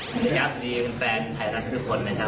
สวัสดีครับสวัสดีแฟนไทยรัฐทุกคนนะครับ